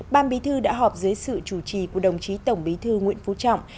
ban bí thư đã họp dưới sự chủ trì của đồng chí tổng bí thư nguyễn phú trọng